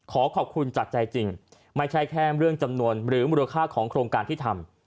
ขอขอบคุณจากใจจริงไม่ใช่แค่เรื่องจำนวนหรือมูลค่าของโครงการที่ทำ